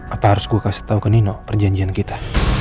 apa harus gue kasih tau ke nino perjanjian kita